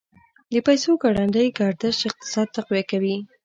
د پیسو ګړندی گردش اقتصاد تقویه کوي.